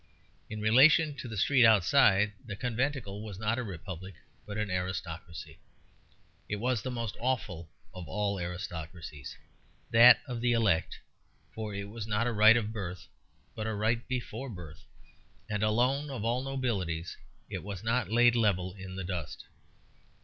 In relation to the street outside the conventicle was not a republic but an aristocracy. It was the most awful of all aristocracies, that of the elect; for it was not a right of birth but a right before birth, and alone of all nobilities it was not laid level in the dust.